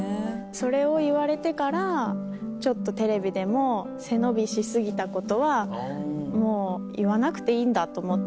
それを言われてからちょっとテレビでも背伸びし過ぎたことはもう言わなくていいんだと思って。